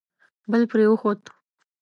بل پرې وخوت.